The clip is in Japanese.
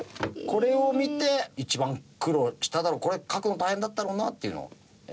これを見て一番苦労しただろこれ描くの大変だったろうなっていうのを選んでください。